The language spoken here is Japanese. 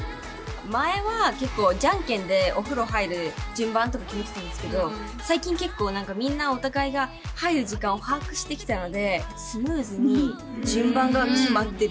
前は結構、じゃんけんでお風呂入る順番とか決めてたんですけど、最近、結構なんかみんなお互いが入る時間を把握してきたので、スムーズに順番が決まってる。